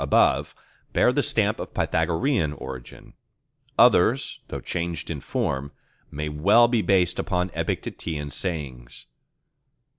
above) bear the stamp of Pythagorean origin; others, though changed in form, may well be based upon Epictetean sayings.